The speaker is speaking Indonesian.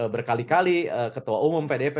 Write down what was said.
berkali kali ketua umum pdip